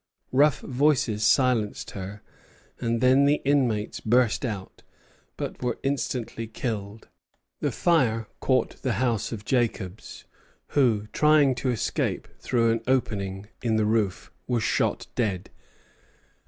Rough voices silenced her, and then the inmates burst out, but were instantly killed. The fire caught the house of Jacobs, who, trying to escape through an opening in the roof, was shot dead.